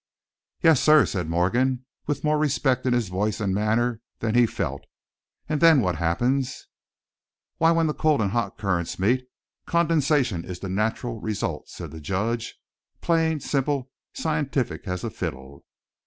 "Yes, sir," said Morgan, with more respect in his voice and manner than he felt. "And then what happens?" "Why, when the cold and the hot currents meet, condensation is the natural result," said the judge. "Plain, simple, scientific as a fiddle."